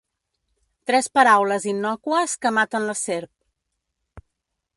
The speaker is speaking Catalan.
Tres paraules innòcues que maten la serp.